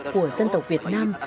của dân tộc việt nam